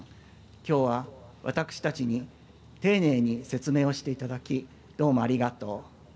きょうは、私たちに丁寧に説明をしていただきどうもありがとう。